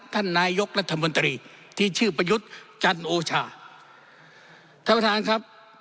ท่านนายกรัฐมนตรีที่ชื่อประยุทธ์จันโอชาท่านประธานครับ